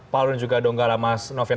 palun juga donggala mas novyan